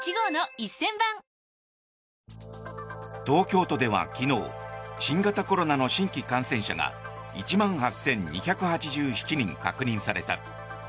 東京都では昨日新型コロナの新規感染者が１万８２８７人確認された。